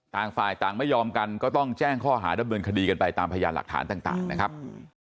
ต่างฝ่ายต่างไม่ยอมกันก็ต้องแจ้งข้อหาดำเนินคดีกันไปตามพยานหลักฐานต่างนะครับ